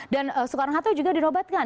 dan soekarno hatta juga dirobatkan